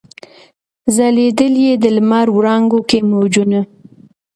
ځلېدل یې د لمر وړانګو کي موجونه